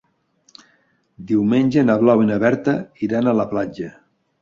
Diumenge na Blau i na Berta iran a la platja.